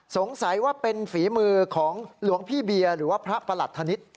สงสัยว่าเป็นฝีมือของหลวงพี่เบียร์หรือว่าพระประหลัดธนิษฐ์